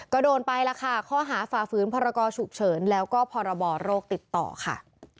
ก็โดนไปแล้วค่ะข้อหาฝ่าฝืนพรกรฉุกเฉินแล้วก็พรบโรคติดต่อค่ะ